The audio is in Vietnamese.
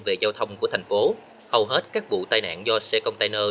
về giao thông của thành phố hầu hết các vụ tai nạn do xe container